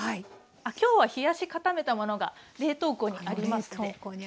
あっ今日は冷やし固めたものが冷凍庫にありますので。